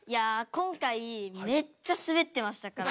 今回めっちゃスベってましたから。